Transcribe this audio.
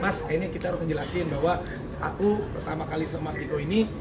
mas akhirnya kita harus ngejelasin bahwa aku pertama kali sama mas diko ini